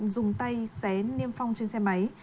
dùng tay xé niêm phong trên xe máy